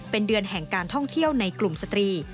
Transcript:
เป็นเดือนแห่งการท่องเที่ยวในกลุ่มสตรี